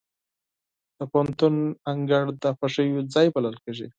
د پوهنتون انګړ د خوښیو ځای بلل کېږي.